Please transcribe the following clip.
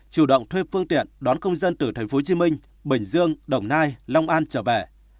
chủ động thuê phương tiện đón công dân từ tp hcm bình dương đồng nai long an trở về